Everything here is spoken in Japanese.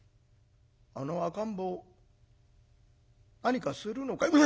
あの赤ん坊何かするのかい？」。